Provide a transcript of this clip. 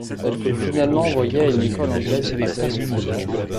Elle fut finalement envoyée à une école anglaise à Beyrouth.